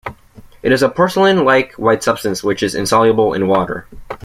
It is a porcelain-like white substance which is insoluble in water.